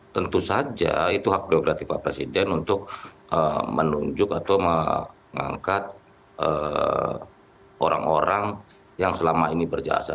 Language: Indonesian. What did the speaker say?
tentu saja itu hak priokratif pak presiden untuk menunjuk atau mengangkat orang orang yang selama ini berjasa